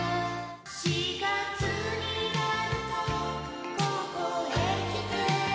「４月になるとここへ来て」